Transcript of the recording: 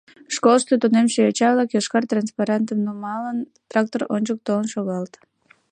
Школышто тунемше йоча-влак, йошкар транспарантым нумалын, трактор ончык толын шогалыт.